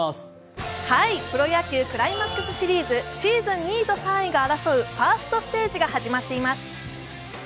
プロ野球クライマックスシリーズシーズン２位と３位が争うファーストステージが始まっています。